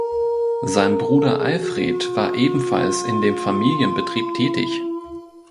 Sein Bruder Alfred war ebenfalls in dem Familienbetrieb tätig.